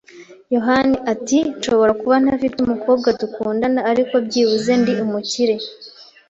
yohani ati: "Nshobora kuba ntafite umukobwa dukundana, ariko byibuze ndi umukire."